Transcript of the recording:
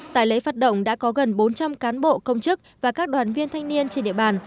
tại lễ phát động đã có gần bốn trăm linh cán bộ công chức và các đoàn viên thanh niên trên địa bàn